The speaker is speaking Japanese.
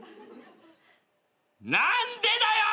何でだよ！